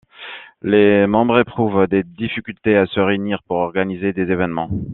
Les membres éprouvent des difficultés à se réunir pour organiser des événements.